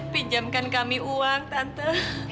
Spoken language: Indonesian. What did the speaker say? pinjamkan kami uang tante